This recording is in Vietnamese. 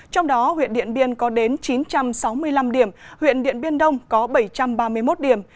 trong đó huyện điện biên có đến chín trăm sáu mươi năm điểm huyện điện biên đông có bảy trăm ba mươi một điểm